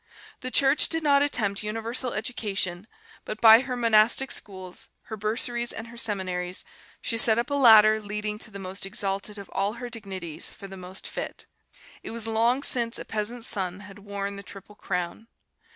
The Church did not attempt universal education, but by her monastic schools, her bursaries and her seminaries she set up a ladder leading to the most exalted of all her dignities for the most fit. It was long since a peasant's son had won the Triple Crown.